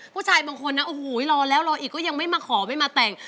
ผู้ชายบางคนนะโอ้โหรอแล้วรออีกก็ยังไม่มาขอไม่มาแต่ง